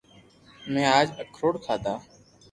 مي اج اکروڌ کادا